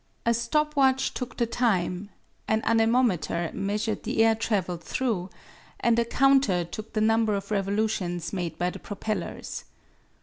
A stop watch took the time; an anemometer measured the air traveled through; and a counter took the number of revolutions made by the propellers.